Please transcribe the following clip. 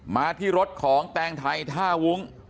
มาที่รถของแตงไทยท่าวุ้ง